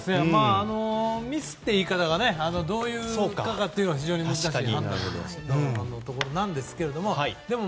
ミスって言い方がどういうかというのは非常に難しいところなんですけれども。